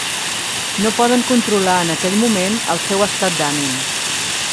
No poden controlar en aquell moment el seu estat d'ànim.